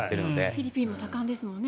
フィリピンも盛んですよね